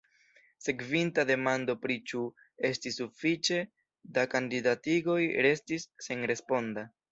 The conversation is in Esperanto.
Sekvinta demando pri ĉu estis sufiĉe da kandidatigoj restis senresponda.